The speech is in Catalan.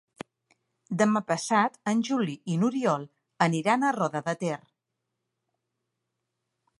Demà passat en Juli i n'Oriol aniran a Roda de Ter.